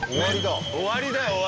終わりだ。